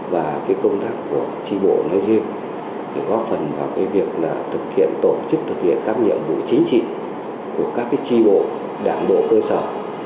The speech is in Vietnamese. và công tác của tri bộ nói riêng góp phần vào việc thực hiện tổ chức thực hiện các nhiệm vụ chính trị của các tri bộ đảng bộ cơ sở